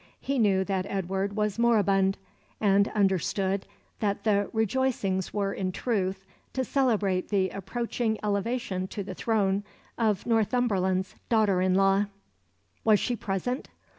He knew that Edward was moribund, and understood that the rejoicings were in truth to celebrate the approaching elevation to the throne of Northumberland's daughter in law. Was she present?